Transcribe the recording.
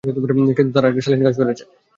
কিন্তু তারা একটা শালীন কাজ করেছে।